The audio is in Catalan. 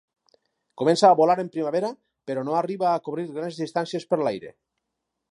Comença a volar en primavera però no arribar a cobrir grans distàncies per l'aire.